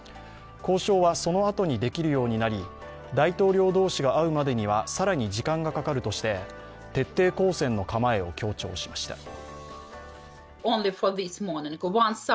交渉はそのあとにできるようになり大統領同士が会うまでには更に時間がかかるとして徹底抗戦の構えを強調しました。